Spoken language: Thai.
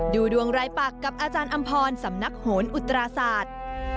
ดูดวงรายปักกับอาจารย์อำพรสำนักโหนอุตราศาสตร์